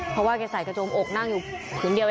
พ่อปู่ฤาษีเทพนรสิงค่ะมีเฮ็ดโฟนเหมือนเฮ็ดโฟน